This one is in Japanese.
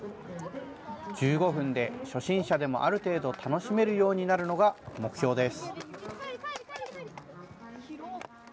１５分で初心者でもある程度楽しめるようになるのが目標です。